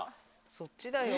そっちだよ。